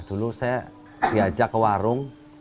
dulu saya diajak ke warung